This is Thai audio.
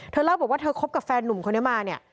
เล่าบอกว่าเธอคบกับแฟนหนุ่มคนนี้มาเนี่ย